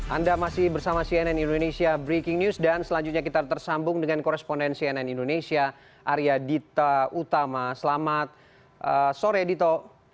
anda masih bersama cnn indonesia breaking news dan selanjutnya kita tersambung dengan koresponden cnn indonesia arya dita utama selamat sore dito